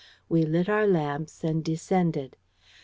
"We lit our lamps and descended.